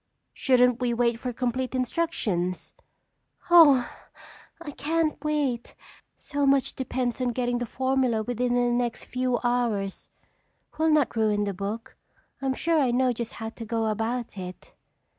"Shouldn't we wait for complete instructions?" "Oh, I can't wait! So much depends on getting the formula within the next few hours. We'll not ruin the book. I'm sure I know just how to go about it."